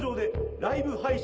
ライブ配信？